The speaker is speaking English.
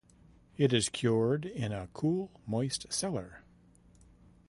It is cured in a cool, moist cellar.